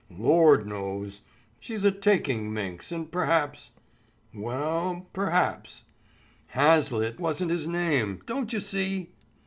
"Lor' knows. She's a taking minx and perhaps——" "Well, perhaps——" "Hazlitt wasn't his name, don't you see?"